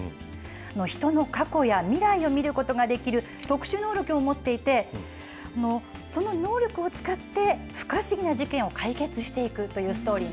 人の過去や未来を見ることができる特殊能力を持っていて、その能力を使って、不可思議な事件を解決していくというストーリー